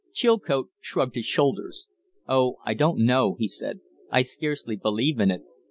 Chilcote shrugged his shoulders. "Oh, I don't know," he said. "I scarcely believe in it.